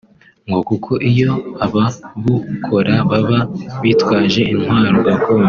ngo kuko iyo ababukora baba bitwaje intwaro gakondo